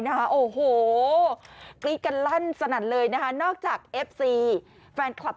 นะคะโอ้โหกรี๊ดกันลั่นสนั่นเลยนะคะนอกจากเอฟซีแฟนคลับ